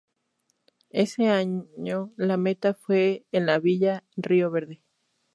Ese año la meta fue en la villa Río Verde.